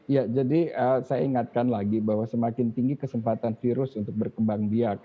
ya jadi saya ingatkan lagi bahwa semakin tinggi kesempatan virus untuk berkembang biak